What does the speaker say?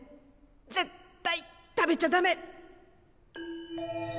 絶対食べちゃダメ！